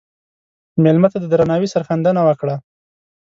مېلمه ته د درناوي سرښندنه وکړه.